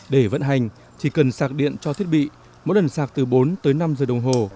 để vận hành chỉ cần sạc điện cho thiết bị mỗi lần sạc từ bốn tới năm giờ đồng hồ